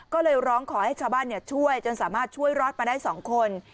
ก็เลยร้องขอให้ทราบว่าเจ้าบ้านเนี่ยช่วยจนสามารถช่วยรอดมาได้๒คน